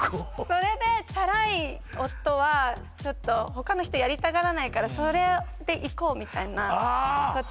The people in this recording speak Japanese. それでチャラい夫は他の人やりたがらないからそれでいこうみたいなああ